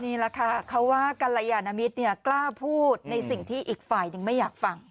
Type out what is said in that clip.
นี่แหละค่ะเขาว่ากัลยานมิตรกล้าพูดในสิ่งที่อีกฝ่ายหนึ่งไม่อยากฟัง